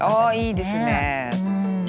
いいですね。